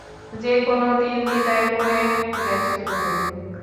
যেকোনো দিন দ্বিধায় পড়ে গেছো তুমি!